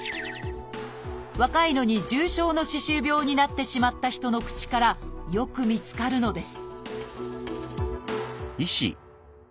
若いのに重症の歯周病になってしまった人の口からよく見つかるのです